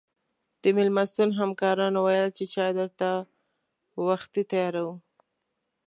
د مېلمستون همکارانو ویل چې چای درته وختي تیاروو.